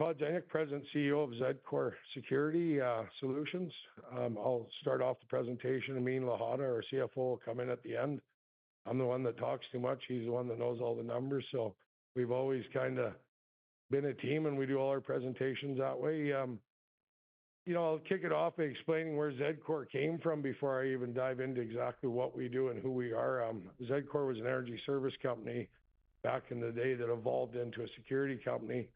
I'm Todd Ziniuk, President and CEO of Zedcor Security Solutions. I'll start off the presentation, and Amin Ladha, our CFO, will come in at the end. I'm the one that talks too much. He's the one that knows all the numbers, so we've always kinda been a team, and we do all our presentations that way. You know, I'll kick it off by explaining where Zedcor came from before I even dive into exactly what we do and who we are. Zedcor was an energy service company back in the day that evolved into a security company.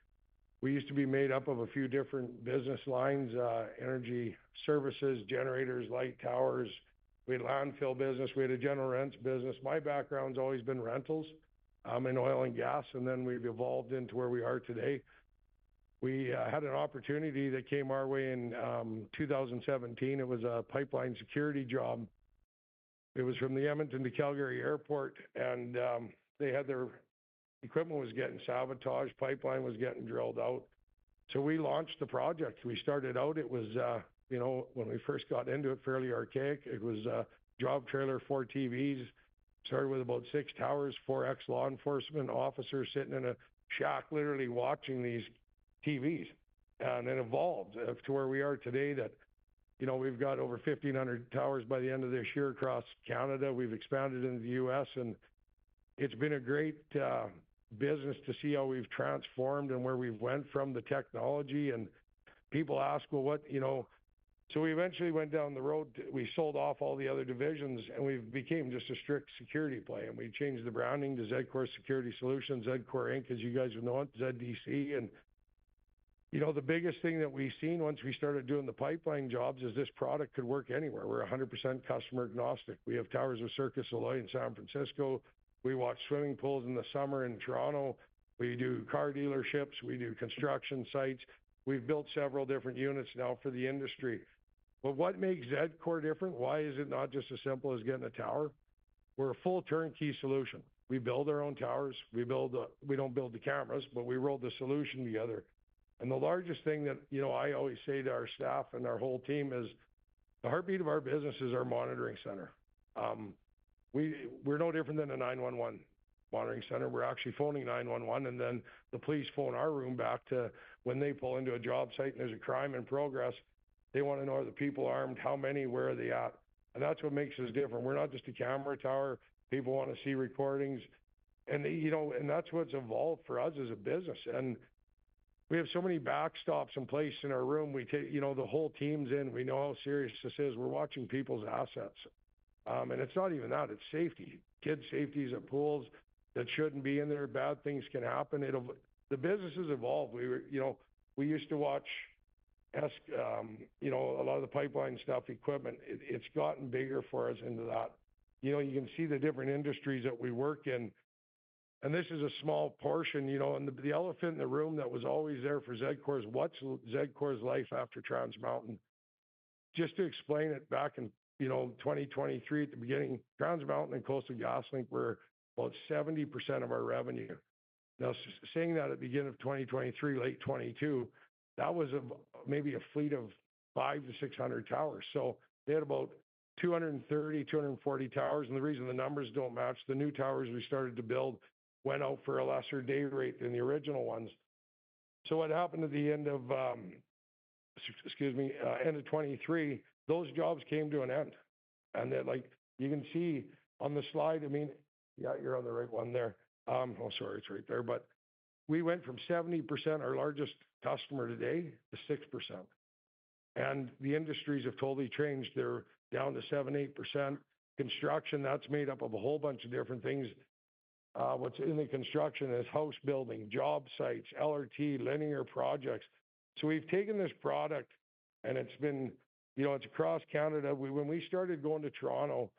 We used to be made up of a few different business lines, energy services, generators, light towers. We had a landfill business. We had a general rents business. My background's always been rentals in oil and gas, and then we've evolved into where we are today. We had an opportunity that came our way in 2017. It was a pipeline security job. It was from the Edmonton to Calgary Airport, and they had their equipment was getting sabotaged, pipeline was getting drilled out, so we launched the project. We started out it was, you know, when we first got into it, fairly archaic. It was a job trailer, four TVs. Started with about six towers, four ex-law enforcement officers sitting in a shack, literally watching these TVs, and it evolved up to where we are today, that, you know, we've got over 1,500 towers by the end of this year across Canada. We've expanded into the U.S., and it's been a great business to see how we've transformed and where we've went from the technology. People ask, "Well, what..." You know, so we eventually went down the road, we sold off all the other divisions, and we've became just a strict security play, and we changed the branding to Zedcor Security Solutions, Zedcor Inc., as you guys would know it, ZDC. You know, the biggest thing that we've seen once we started doing the pipeline jobs is this product could work anywhere. We're 100% customer-agnostic. We have towers with Cirque du Soleil in San Francisco. We watch swimming pools in the summer in Toronto. We do car dealerships. We do construction sites. We've built several different units now for the industry. But what makes Zedcor different? Why is it not just as simple as getting a tower? We're a full turnkey solution. We build our own towers. We build the... We don't build the cameras, but we roll the solution together. The largest thing that, you know, I always say to our staff and our whole team is, the heartbeat of our business is our monitoring center. We're no different than a 9-1-1 monitoring center. We're actually phoning 9-1-1, and then the police phone our room back to when they pull into a job site, and there's a crime in progress, they wanna know, are the people armed? How many, where are they at? And that's what makes us different. We're not just a camera tower. People wanna see recordings, and, you know, and that's what's evolved for us as a business. And we have so many backstops in place in our room. We take. You know, the whole team's in. We know how serious this is. We're watching people's assets. And it's not even that, it's safety. Kids' safeties at pools that shouldn't be in there, bad things can happen. It'll. The business has evolved. We were. You know, we used to watch, you know, a lot of the pipeline stuff, equipment. It, it's gotten bigger for us into that. You know, you can see the different industries that we work in, and this is a small portion, you know, and the elephant in the room that was always there for Zedcor is: What's Zedcor's life after Trans Mountain? Just to explain it, back in, you know, 2023, at the beginning, Trans Mountain and Coastal GasLink were about 70% of our revenue. Now, saying that at the beginning of 2023, late 2022, that was a, maybe a fleet of 500-600 towers. So we had about 230 - 240 towers, and the reason the numbers don't match, the new towers we started to build went out for a lesser day rate than the original ones. So what happened at the end of 2023, those jobs came to an end, and then, like, you can see on the slide. But we went from 70%, our largest customer today, to 6%, and the industries have totally changed. They're down to 7-8%. Construction, that's made up of a whole bunch of different things. What's in the construction is house building, job sites, LRT, linear projects. So we've taken this product, and it's been. You know, it's across Canada. When we started going to Toronto,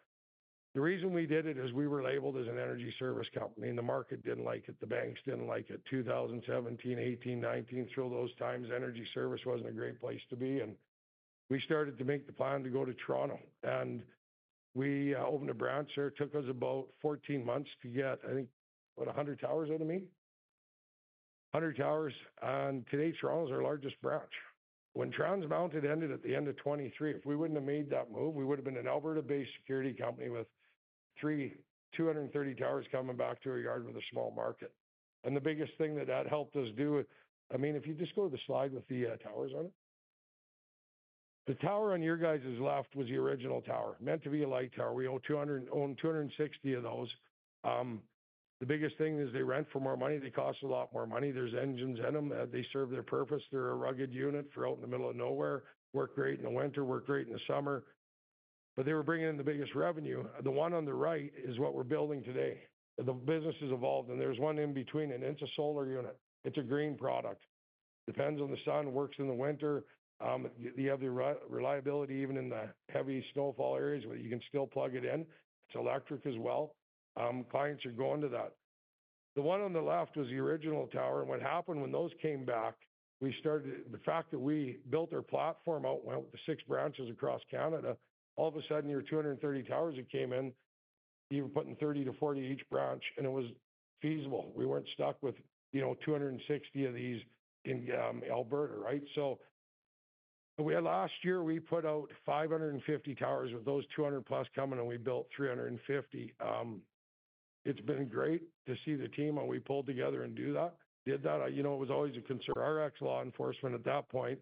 the reason we did it is we were labeled as an energy service company, and the market didn't like it. The banks didn't like it. 2017, 2018, 2019, through all those times, energy service wasn't a great place to be, and we started to make the plan to go to Toronto, and we opened a branch there. It took us about fourteen months to get, I think, what, 100 towers, right Amin? 100 towers, and today, Toronto is our largest branch. When Trans Mountain ended at the end of 2023, if we wouldn't have made that move, we would've been an Alberta-based security company with 230 towers coming back to our yard with a small market. The biggest thing that that helped us do, I mean, if you just go to the slide with the towers on it. The tower on your guys' left was the original tower, meant to be a light tower. We own 260 of those. The biggest thing is they rent for more money. They cost a lot more money. There's engines in them. They serve their purpose. They're a rugged unit for out in the middle of nowhere. Work great in the winter, work great in the summer, but they were bringing in the biggest revenue. The one on the right is what we're building today. The business has evolved, and there's one in between, and it's a solar unit. It's a green product. Depends on the sun, works in the winter. You have the reliability even in the heavy snowfall areas, where you can still plug it in. It's electric as well. Clients are going to that. The one on the left was the original tower, and what happened when those came back, the fact that we built our platform out, went with the 6 branches across Canada, all of a sudden, your two hundred and thirty towers that came in, you were putting thirty to forty each branch, and it was feasible. We weren't stuck with, you know, two hundred and sixty of these in Alberta, right? Last year we put out 550 towers. With those two hundred plus coming in, we built 350. It's been great to see the team, and we pulled together and did that. You know, it was always a concern. Our ex-law enforcement at that point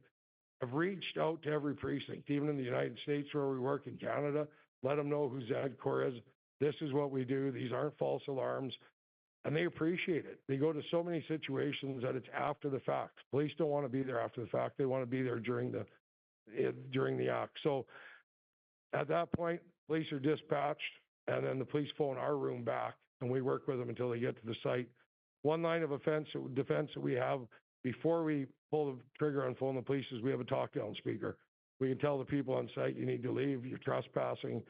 have reached out to every precinct, even in the United States where we work in Canada, let them know who Zedcor is. "This is what we do. These aren't false alarms," and they appreciate it. They go to so many situations that it's after the fact. Police don't wanna be there after the fact. They wanna be there during the act. So at that point, police are dispatched, and then the police phone our room back, and we work with them until they get to the site. One line of offense or defense that we have before we pull the trigger on phoning the police is we have a talk-down speaker. We can tell the people on site, "You need to leave, you're trespassing."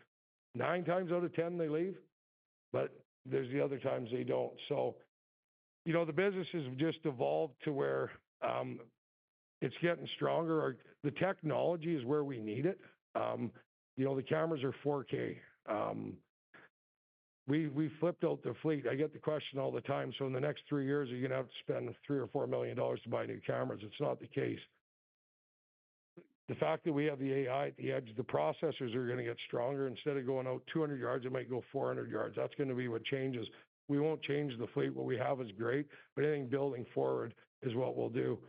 Nine times out of 10, they leave, but there's the other times they don't. You know, the business has just evolved to where it's getting stronger or the technology is where we need it. You know, the cameras are 4K. We flipped out the fleet. I get the question all the time: "So in the next three years, are you gonna have to spend 3 million or 4 million dollars to buy new cameras?" It's not the case. The fact that we have the AI at the edge, the processors are gonna get stronger. Instead of going out 200 yards, it might go 400 yards. That's gonna be what changes. We won't change the fleet. What we have is great, but I think building forward is what we'll do.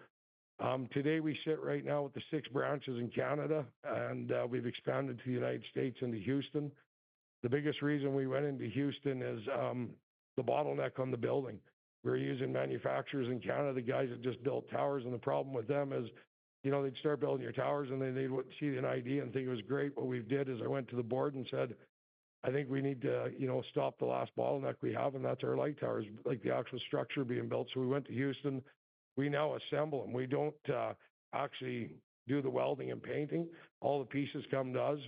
Today we sit right now with the 6 branches in Canada, and we've expanded to the United States into Houston. The biggest reason we went into Houston is the bottleneck on the building. We're using manufacturers in Canada, the guys that just built towers, and the problem with them is, you know, they'd start building your towers, and then they would see an idea and think it was great. What we did is I went to the board and said, "I think we need to, you know, stop the last bottleneck we have, and that's our light towers," like the actual structure being built. So we went to Houston. We now assemble them. We don't actually do the welding and painting. All the pieces come to us.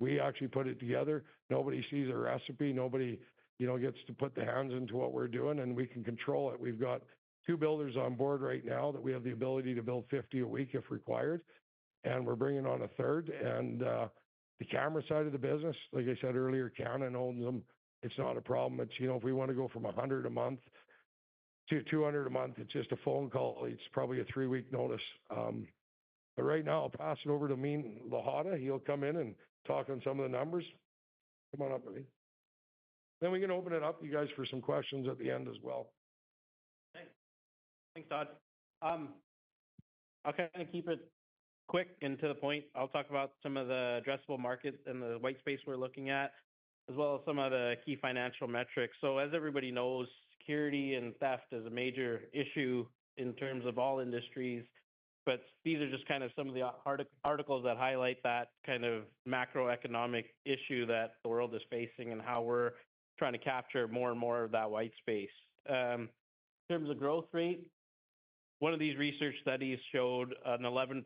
We actually put it together. Nobody sees our recipe. Nobody, you know, gets to put their hands into what we're doing, and we can control it. We've got two builders on board right now that we have the ability to build 50 a week, if required, and we're bringing on a third. And the camera side of the business, like I said earlier, Canon owns them. It's not a problem. It's, you know, if we wanna go from 100 a month to 200 a month, it's just a phone call. It's probably a three-week notice. But right now I'll pass it over to Amin Ladha. He'll come in and talk on some of the numbers. Come on up, Amin. Then we can open it up, you guys, for some questions at the end as well. Thanks. Thanks, Todd. I'll kind of keep it quick and to the point. I'll talk about some of the addressable markets and the white space we're looking at, as well as some of the key financial metrics. As everybody knows, security and theft is a major issue in terms of all industries, but these are just kind of some of the articles that highlight that kind of macroeconomic issue that the world is facing and how we're trying to capture more and more of that white space. In terms of growth rate, one of these research studies showed an 11%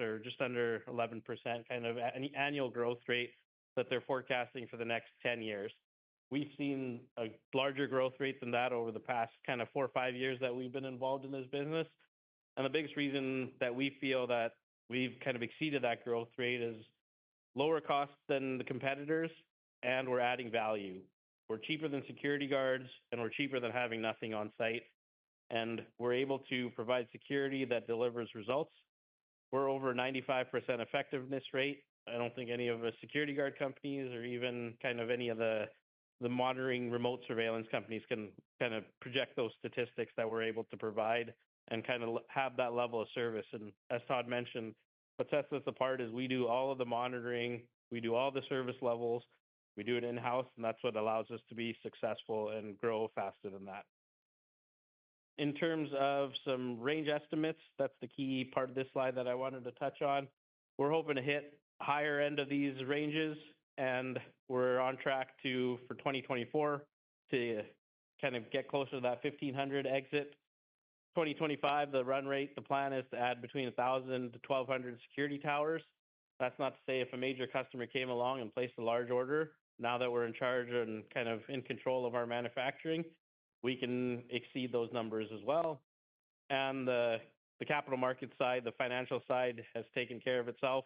or just under 11% kind of an annual growth rate that they're forecasting for the next 10 years. We've seen a larger growth rate than that over the past kind of four or five years that we've been involved in this business. And the biggest reason that we feel that we've kind of exceeded that growth rate is lower costs than the competitors, and we're adding value. We're cheaper than security guards, and we're cheaper than having nothing on site, and we're able to provide security that delivers results. We're over 95% effectiveness rate. I don't think any of the security guard companies or even kind of any of the monitoring remote surveillance companies can kind of project those statistics that we're able to provide and kinda have that level of service. And as Todd mentioned, what sets us apart is we do all of the monitoring, we do all the service levels, we do it in-house, and that's what allows us to be successful and grow faster than that. In terms of some range estimates, that's the key part of this slide that I wanted to touch on. We're hoping to hit higher end of these ranges, and we're on track to, for 2024, to kind of get closer to that 1,500 exit. 2025, the run rate, the plan is to add between 1,000 to 1,200 security towers. That's not to say if a major customer came along and placed a large order, now that we're in charge and kind of in control of our manufacturing, we can exceed those numbers as well. And the capital market side, the financial side, has taken care of itself,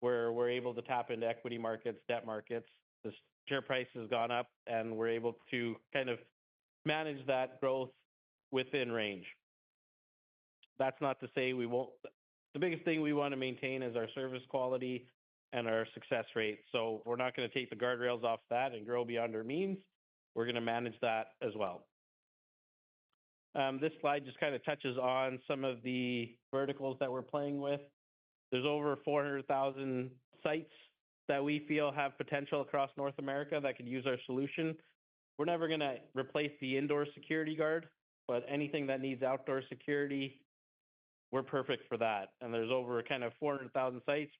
where we're able to tap into equity markets, debt markets. The share price has gone up, and we're able to kind of manage that growth within range. That's not to say we won't. The biggest thing we want to maintain is our service quality and our success rate. We're not gonna take the guardrails off that and grow beyond our means. We're gonna manage that as well. This slide just kind of touches on some of the verticals that we're playing with. There's over 400,000 sites that we feel have potential across North America that could use our solution. We're never gonna replace the indoor security guard, but anything that needs outdoor security, we're perfect for that, and there's over kind of 400,000 sites.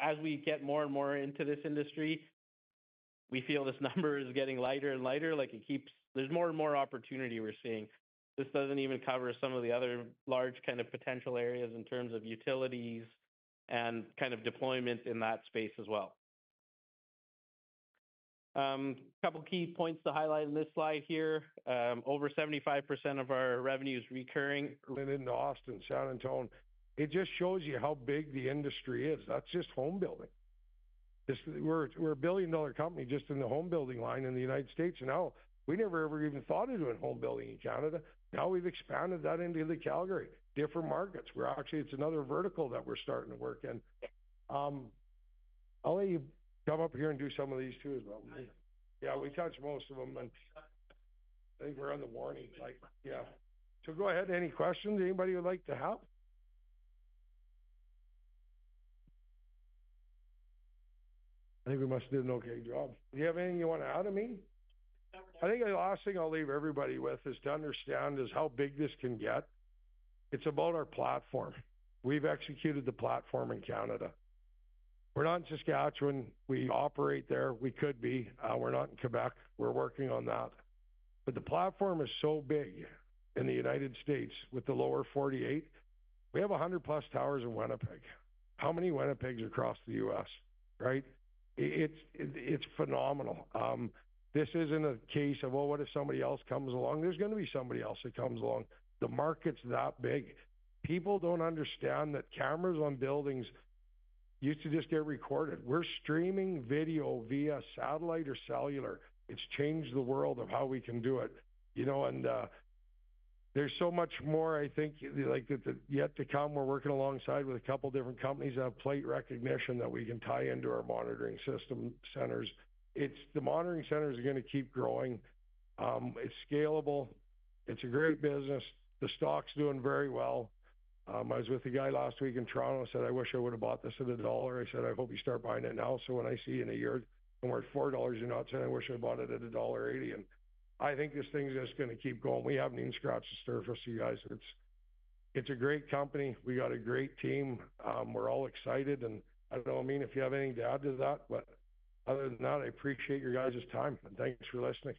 As we get more and more into this industry, we feel this number is getting lighter and lighter, like it keeps... There's more and more opportunity we're seeing. This doesn't even cover some of the other large kind of potential areas in terms of utilities and kind of deployment in that space as well. A couple key points to highlight in this slide here. Over 75% of our revenue is recurring. Went into Austin, San Antonio. It just shows you how big the industry is. That's just home building.... Just we're a billion-dollar company just in the home building line in the United States, and now we never, ever even thought of doing home building in Canada. Now we've expanded that into the Calgary, different markets. We're actually, it's another vertical that we're starting to work in. I'll let you come up here and do some of these, too, as well. Yeah, we touched most of them, and I think we're on the warning light. Yeah. So go ahead. Any questions anybody would like to have? I think we must have did an okay job. Do you have anything you want to add, Amin? No. I think the last thing I'll leave everybody with is to understand is how big this can get. It's about our platform. We've executed the platform in Canada. We're not in Saskatchewan. We operate there. We could be. We're not in Quebec. We're working on that. But the platform is so big in the United States with the lower 48. We have a hundred plus towers in Winnipeg. How many Winnipegs are across the US, right? It's phenomenal. This isn't a case of, well, what if somebody else comes along? There's gonna be somebody else that comes along. The market's that big. People don't understand that cameras on buildings used to just get recorded. We're streaming video via satellite or cellular. It's changed the world of how we can do it, you know, and, there's so much more, I think, like the yet to come. We're working alongside with a couple different companies on plate recognition that we can tie into our monitoring system centers. The monitoring centers are gonna keep growing. It's scalable. It's a great business. The stock's doing very well. I was with a guy last week in Toronto, said, "I wish I would've bought this at a dollar." I said, "I hope you start buying it now, so when I see you in a year and we're at $4, you're not saying, 'I wish I bought it at $1.80.'" And I think this thing's just gonna keep going. We haven't even scratched the surface, you guys. It's a great company. We got a great team. We're all excited, and I don't know, Amin, if you have anything to add to that, but other than that, I appreciate your guys' time, and thank you for listening.